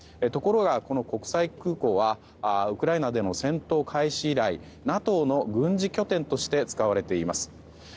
ところがこの国際空港はウクライナでも戦闘開始以来ＮＡＴＯの軍事拠点として使われています。